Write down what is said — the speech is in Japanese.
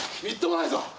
みっともないぞ！